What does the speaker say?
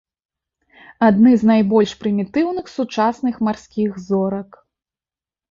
Адны з найбольш прымітыўных сучасных марскіх зорак.